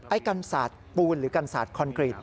ไอ้กันสาดปูนหรือกันสาดคอนกรีต